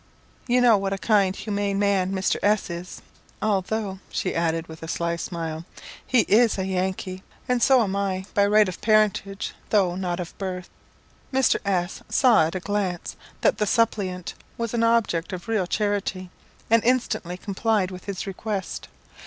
You know what a kind, humane man, Mr. S is, although," she added, with a sly smile, "he is a Yankee, and so am I by right of parentage, though not of birth. Mr. S saw at a glance that the suppliant was an object of real charity, and instantly complied with his request.